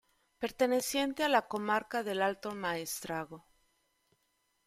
Perteneciente a la comarca del Alto Maestrazgo.